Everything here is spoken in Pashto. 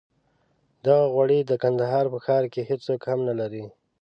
دغه غوړي د کندهار په ښار کې هېڅوک هم نه لري.